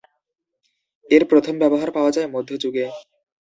এর প্রথম ব্যবহার পাওয়া যায় মধ্যযুগে।